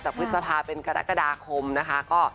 พฤษภาเป็นกรกฎาคมนะคะ